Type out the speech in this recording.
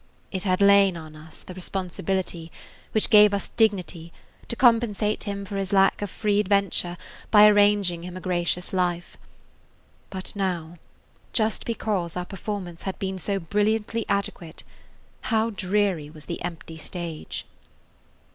It had lain on us, the responsibility, which gave us dignity, to compensate him for his lack of free adventure by arranging him a gracious life. But now, just because our performance had been so brilliantly adequate, how dreary was the empty stage!